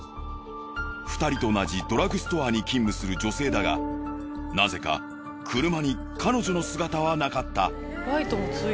２人と同じドラッグストアに勤務する女性だがなぜか車に彼女の姿はなかった。